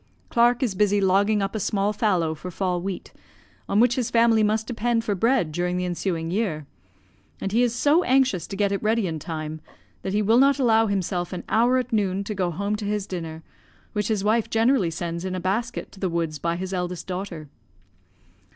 Clark is busy logging up a small fallow for fall wheat, on which his family must depend for bread during the ensuing year; and he is so anxious to get it ready in time, that he will not allow himself an hour at noon to go home to his dinner, which his wife generally sends in a basket to the woods by his eldest daughter.